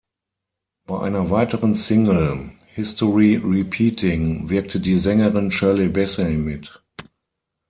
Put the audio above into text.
Bei einer weiteren Single, "History Repeating," wirkte die Sängerin Shirley Bassey mit.